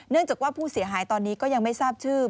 จากว่าผู้เสียหายตอนนี้ก็ยังไม่ทราบชื่อ